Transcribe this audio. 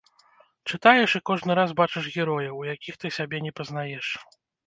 Чытаеш і кожны раз бачыш герояў, у якіх ты сябе не пазнаеш.